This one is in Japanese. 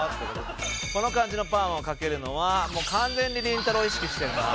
「この感じのパーマをかけるのはもう完全にりんたろー。を意識してるな」